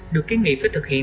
được kiến nghị phải thực hiện